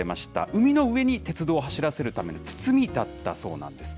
海の上に鉄道を走らせるための堤だったそうなんです。